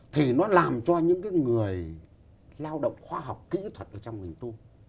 thì nó làm cho những người lao động khoa học kỹ thuật trong ngành tôm